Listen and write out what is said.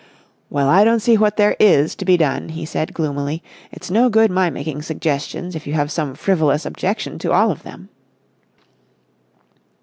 "Well, I don't see what there is to be done," he said, gloomily. "It's no good my making suggestions, if you have some frivolous objection to all of them."